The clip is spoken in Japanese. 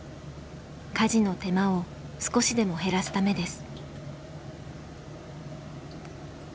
家事の手間を少しでも減らすためです。